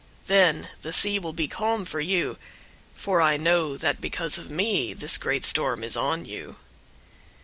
Then the sea will be calm for you; for I know that because of me this great storm is on you."